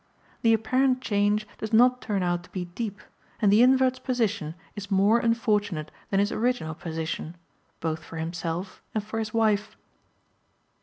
The apparent change does not turn out to be deep, and the invert's position is more unfortunate than his original position, both for himself and for his wife.